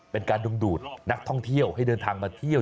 เป็นการดึงดูดนักท่องเที่ยวให้เดินทางมาเที่ยว